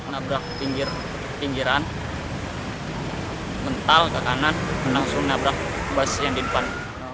nabrak pinggiran mental ke kanan langsung nabrak bus yang di depan